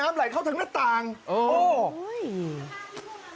น้ำหลายเข้าทั้งหน้าต่างโอ๊ะ